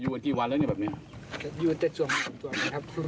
อยู่กันกี่วันแล้วเนี้ยแบบเนี้ยอยู่แต่ส่วนส่วนครับ